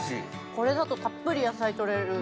これだとたっぷり野菜取れる。